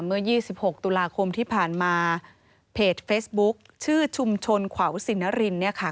เมื่อ๒๖ตุลาคมที่ผ่านมาเพจเฟซบุ๊คชื่อชุมชนขวาวสินนรินเนี่ยค่ะ